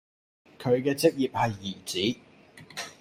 佢嘅職業係兒子